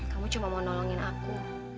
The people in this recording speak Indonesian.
kamu cuma mau nolongin aku